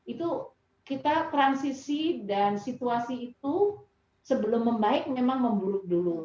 itu kita transisi dan situasi itu sebelum membaik memang membuluh dulu